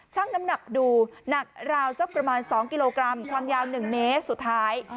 น้ำหนักดูหนักราวสักประมาณ๒กิโลกรัมความยาว๑เมตรสุดท้าย